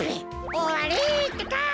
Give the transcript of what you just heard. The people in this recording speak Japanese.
おわりってか！